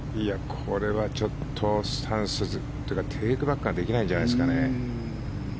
これはちょっとスタンスというかテイクバックができないんじゃないですかね？